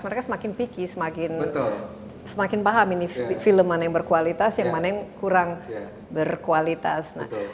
mereka semakin picky semakin paham ini film mana yang berkualitas yang mana yang kurang berkualitas